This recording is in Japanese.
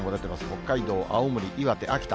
北海道、青森、岩手、秋田。